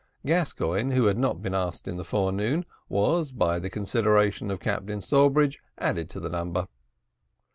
Gascoigne, who had not been asked in the forenoon, was, by the consideration of Captain Sawbridge, added to the number.